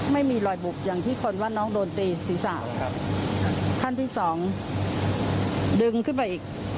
ไม่มีรอยบุบอย่างที่คนว่าน้องโดนตีศีรษะครับขั้นที่สองดึงขึ้นไปอีก